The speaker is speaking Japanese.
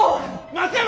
松山！